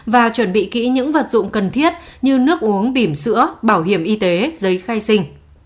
và chuẩn bị kỹ những vật dụng cần thiết như nước uống bìm sữa bảo hiểm y tế giấy khai sinh